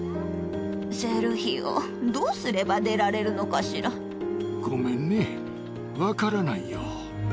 セルヒオ、どうすれば出られるのごめんね、分からないよ。